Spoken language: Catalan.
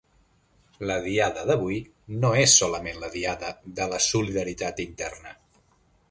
La Diada d’avui no és solament la Diada de la solidaritat interna.